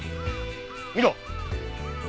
見ろ。